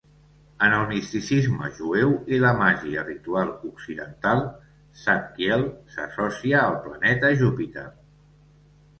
En el misticisme jueu i la màgia ritual occidental, Zadkiel s'associa al planeta Júpiter.